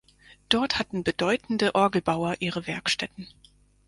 Dort hatten bedeutende Orgelbauer ihre Werkstätten.